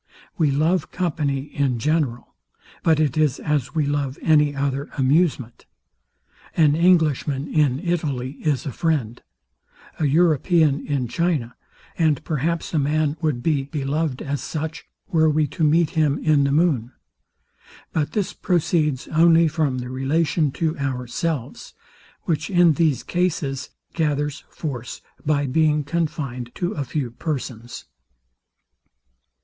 We love company in general; but it is as we love any other amusement. An Englishman in Italy is a friend: A Euro paean in China; and perhaps a man would be beloved as such, were we to meet him in the moon. But this proceeds only from the relation to ourselves; which in these cases gathers force by being confined to a few persons.